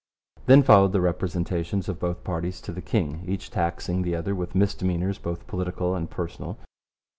Then followed the representations of both parties to the king, each taxing the other with misdemeanours both political and personal.